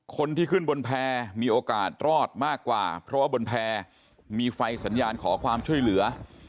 คนที่ขึ้นบนแพร่มีโอกาสรอดมากกว่าเพราะว่าบนแพร่มีไฟสัญญาณขอความช่วยเหลือ